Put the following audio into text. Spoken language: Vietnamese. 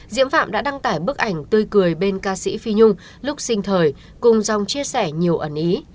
diễm phạm đã đăng tải bức ảnh tươi cười bên ca sĩ phi nhung lúc sinh thời cùng dòng chia sẻ nhiều ẩn ý